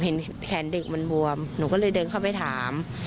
เห็นแขนเด็กมันบวมหนูก็เลยเดินเข้าไปถาม